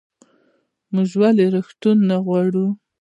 موږ ولې روغتونونه غواړو؟